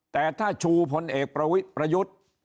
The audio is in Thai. แต่ถ้าชูพลเอกประยุทธ์